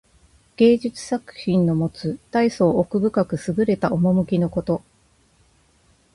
芸術作品のもつたいそう奥深くすぐれた趣のこと。